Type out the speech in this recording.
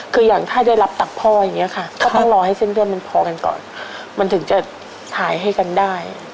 คืออย่างถ้าได้รับตักพ่ออย่างนี้ค่ะก็ต้องรอให้เส้นเลือดมันพอกันก่อนมันถึงจะถ่ายให้กันได้